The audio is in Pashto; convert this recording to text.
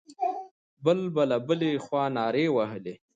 بل به له بلې خوا نارې وهلې.